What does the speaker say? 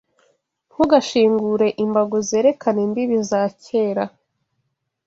Ntugashingure imbago zerekana imbibi za kera